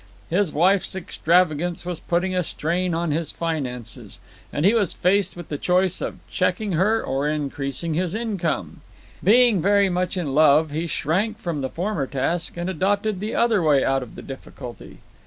His wife's extravagance was putting a strain on his finances, and he was faced with the choice of checking her or increasing his income. Being very much in love, he shrank from the former task and adopted the other way out of the difficulty.